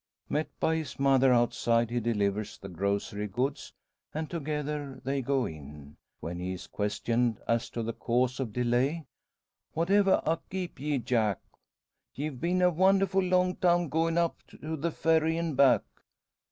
Met by his mother outside, he delivers the grocery goods and together they go in; when he is questioned as to the cause of delay. "Whatever ha kep' ye, Jack? Ye've been a wonderful long time goin' up to the Ferry an' back!"